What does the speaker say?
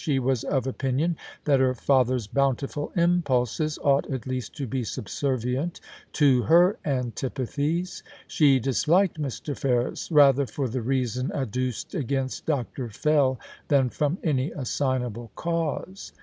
She was of opinion that her father's bountiful impulses ought at least to be subservient to her antipathies. She disliked Mr. Ferris, rather for the reason adduced against Dr. Fell than from any assignable cause.